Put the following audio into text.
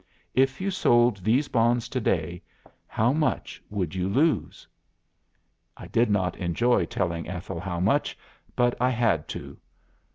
If you sold these bonds to day, how much would you lose?'" "I did not enjoy telling Ethel how much, but I had to.